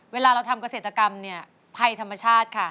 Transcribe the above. เวลาเราทำเกษตรกรรมเนี่ยภัยธรรมชาติค่ะ